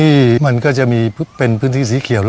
ที่มันก็จะมีเป็นพื้นที่สีเขียว